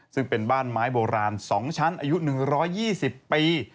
ซึ่งเป็นบ้านไม้โบราณ๒ชั้นอายุ๑๒๐ปี